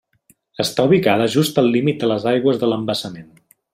Està ubicada just al límit de les aigües de l'embassament.